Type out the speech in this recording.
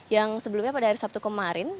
yang sebelumnya pada hari sabtu kemarin